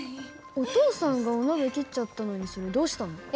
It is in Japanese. お父さんがお鍋切っちゃったのにそれどうしたの？